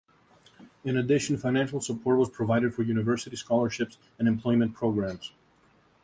In addition, financial support was provided for university scholarships and employment programs.